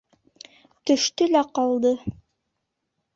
— Төштө лә ҡалды.